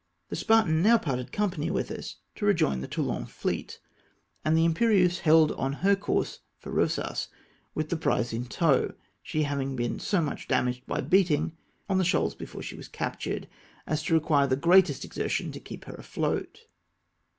The Spartan now parted company with us to rejom the Toulon fleet, and the Imperieuse held on her course for Eosas with the prize brig in tow, she having been so much damaged by beating on the shoals before she was HOW WE OBTAINED FRESH WATER. 283 captured, as to require the greatest exertion to keep lier afloat.